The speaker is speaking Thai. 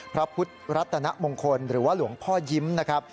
พระพุทธรัตนมงคลหรือว่าหลวงพ่อยิ้มนะครับ